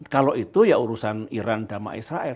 kalau itu ya urusan iran dana israel